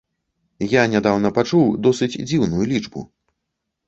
Я нядаўна пачуў досыць дзіўную лічбу.